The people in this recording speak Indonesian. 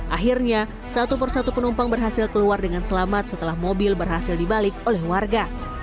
akhirnya satu persatu penumpang berhasil keluar dengan selamat setelah mobil berhasil dibalik oleh warga